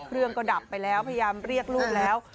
เครื่องก็ดับไปแล้วพยายามเรียกลูกแล้ว